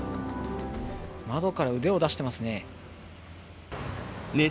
窓から腕を出してますね。